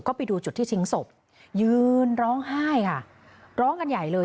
ก็ไปดูจุดที่ทิ้งศพยืนร้องไห้ค่ะร้องกันใหญ่เลย